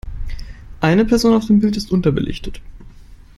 Eine Person auf dem Bild ist unterbelichtet.